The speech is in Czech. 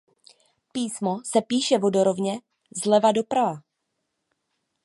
Písmo se píše vodorovně zleva doprava.